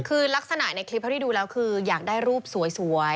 คือลักษณะในคลิปเท่าที่ดูแล้วคืออยากได้รูปสวย